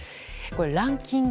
ランキング